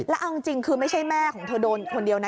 แล้วเอาจริงคือไม่ใช่แม่ของเธอโดนคนเดียวนะ